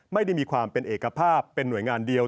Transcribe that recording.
ไม่ได้มีความเป็นเอกภาพเป็นหน่วยงานเดียว